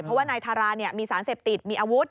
เพราะว่านายทารามีสารเสพติดมีอาวุธ